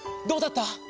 どうだった？」。